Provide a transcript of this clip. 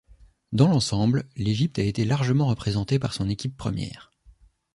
Dans l'ensemble, l'Égypte a été largement représentée par son équipe première.